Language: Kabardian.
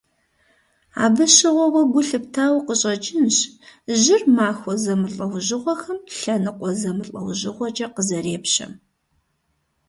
Абы щыгъуэ уэ гу лъыптауэ къыщӀэкӀынщ жьыр махуэ зэмылӀэужьыгъуэхэм лъэныкъуэ зэмылӀэужьыгъуэкӀэ къызэрепщэм.